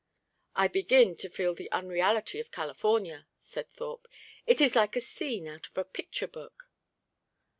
"I begin to feel the unreality of California," said Thorpe. "It is like a scene out of a picture book."